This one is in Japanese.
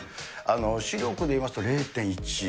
視力でいいますと、０．１。